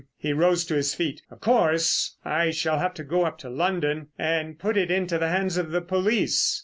He rose to his feet. "Of course, I shall have to go up to London and put it into the hands of the police.